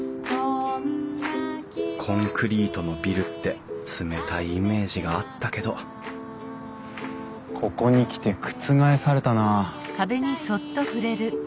コンクリートのビルって冷たいイメージがあったけどここに来て覆されたな。